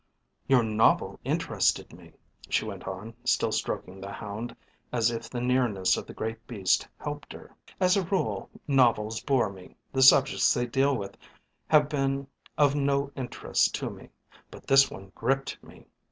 "Your novel interested me," she went on, still stroking the hound, as if the nearness of the great beast helped her. "As a rule novels bore me, the subjects they deal with have been of no interest to me, but this one gripped me.